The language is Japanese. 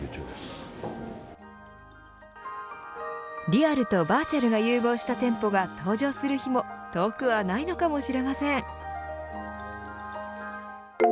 リアルとバーチャルが融合した店舗が登場する日も遠くはないのかもしれません。